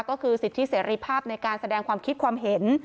ก็คือสิทธิเสรีภาพในการแสดงความคิดความเห็น